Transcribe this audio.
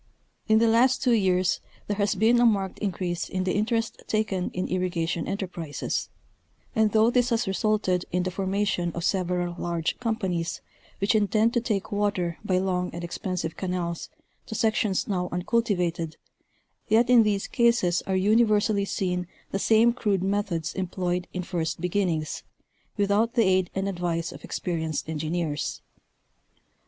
In the last two years there has been a marked increase in the interest taken in irrigation enterprises, and though this has re sulted in the formation of several large companies, which intend to take water by long and expensive canals to sections now uncul tivated, yet in these cases are universally seen the same crude methods employed in first beginnings, without the aid and advice of experienced engineers.